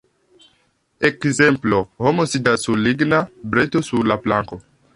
Ekzemplo: Homo sidas sur ligna breto sur la planko.